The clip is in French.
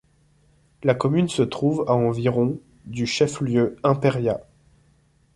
La commune se trouve à environ du chef-lieu Imperia.